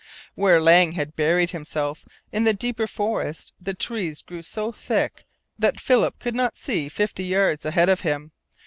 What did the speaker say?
Where Lang had buried himself in the deeper forest the trees grew so thick that Philip, could not see fifty yards ahead of him.